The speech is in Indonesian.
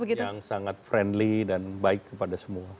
seorang yang yang sangat friendly dan baik kepada semua